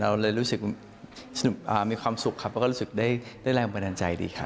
เราเลยรู้สึกมีความสุขครับแล้วก็รู้สึกได้แรงบันดาลใจดีครับ